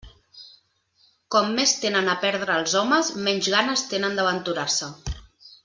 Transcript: Com més tenen a perdre els homes, menys ganes tenen d'aventurar-se.